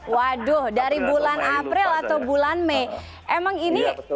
waduh dari bulan april atau bulan mei